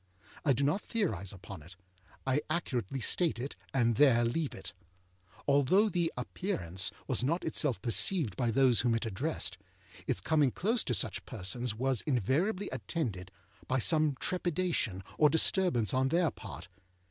I do not theorise upon it; I accurately state it, and there leave it. Although the Appearance was not itself perceived by those whom it addressed, its coming close to such persons was invariably attended by some trepidation or disturbance on their part.